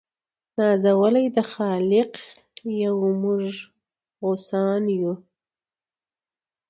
نازولي د خالق یو موږ غوثان یو